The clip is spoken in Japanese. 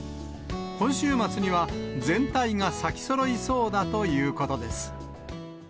今週末には、全体が咲きそろいそうだということです。